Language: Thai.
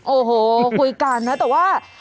โอ้โหคุยกันนะแต่ว่า